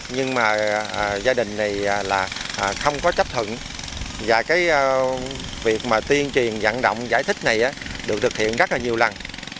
nhưng mà gia đình này là không có chấp thuận và cái việc mà tuyên truyền dẫn động giải thích này được thực hiện rất là nhiều lần